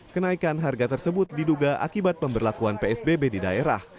kenaikan harga tersebut diduga akibat pemberlakuan psbb di daerah